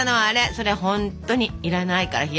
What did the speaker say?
それほんとに要らないから冷やしといて。